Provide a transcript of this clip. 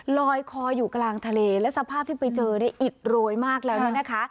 ลอยคออยู่กลางทะเลและสภาพที่ไปเจอเนี่ยอิดโรยมากแล้วเนี่ยนะคะ